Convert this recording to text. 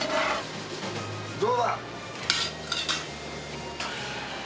どうだ！